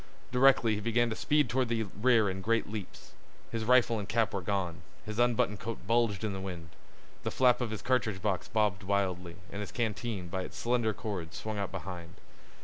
Directly he began to speed toward the rear in great leaps. His rifle and cap were gone. His unbuttoned coat bulged in the wind. The flap of his cartridge box bobbed wildly, and his canteen, by its slender cord, swung out behind.